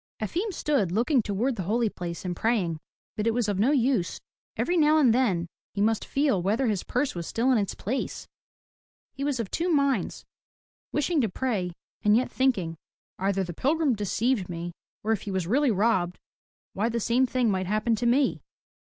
Efim stood looking toward the holy place and praying, but it was of no use. Every now and then he must feel whether his purse was still in its place. He was of two minds, wishing to pray and yet thinking, "Either the pilgrim deceived me, or if he was really robbed, why the same thing might happen to me.''